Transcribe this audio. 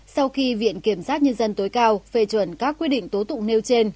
sau khi viện kiểm sát nhân dân tối cao phê chuẩn các quy định tố tụ nêu trên